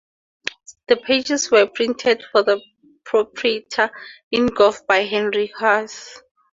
The pages were printed for the proprietor in Gore by Henry Hughes.